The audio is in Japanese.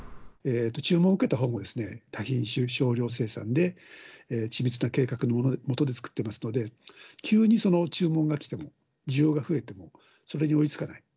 注文を受けたほうも、多品種、少量生産で、緻密な計画の下で作ってますので、急に注文が来ても、需要が増えてもそれに追いつかない。